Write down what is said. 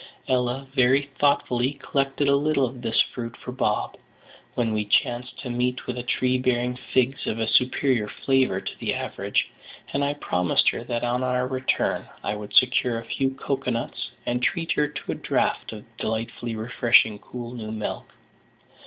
Ella very thoughtfully collected a little of this fruit for Bob, when we chanced to meet with a tree bearing figs of a superior flavour to the average, and I promised her that on our return I would secure a few cocoa nuts, and treat her to a draught of the delightfully refreshing cool new milk.